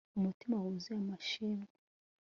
umutima wuzuye amashimwe